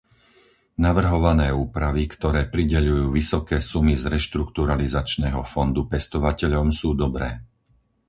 Navrhované úpravy, ktoré prideľujú vysoké sumy z reštrukturalizačného fondu pestovateľom, sú dobré.